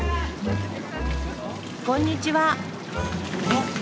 こんにちは。